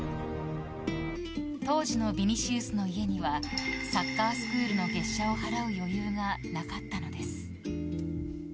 当時のヴィニシウスの家にはサッカースクールの月謝を払う余裕がなかったのです。